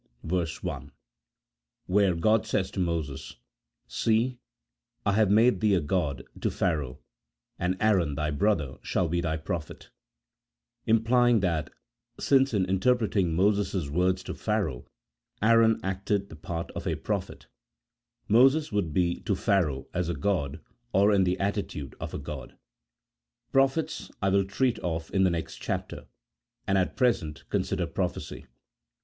1, where G od says to Moses, " See, I have made thee a god to Pha raoh, and Aaron thy brother shall be thy prophet ;" im plying that, since in interpreting Moses' words to Pharaoh, Aaron acted the part of a prophet, Moses would be to Pharaoh as a god, or in the attitude of a god. Prophets I will treat of in the next chapter, and at pre sent consider prophecy.